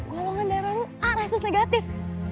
golongan darah lu a resus negatif